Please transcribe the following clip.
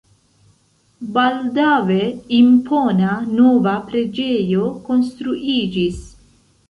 Baldaŭe impona, nova preĝejo konstruiĝis.